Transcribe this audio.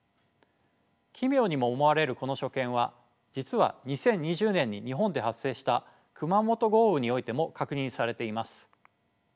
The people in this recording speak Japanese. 奇妙にも思われるこの所見は実は２０２０年に日本で発生した熊本豪雨においても確認されています。